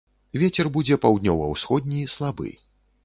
Вецер будзе паўднёва-ўсходні, слабы.